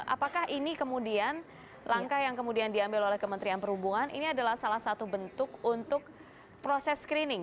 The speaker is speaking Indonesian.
apakah ini kemudian langkah yang kemudian diambil oleh kementerian perhubungan ini adalah salah satu bentuk untuk proses screening